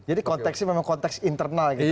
jadi konteksnya memang konteks internal gitu